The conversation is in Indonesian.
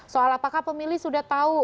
soal apakah pemilih sudah tahu